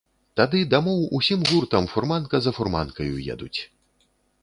Тады дамоў усім гуртам фурманка за фурманкаю едуць.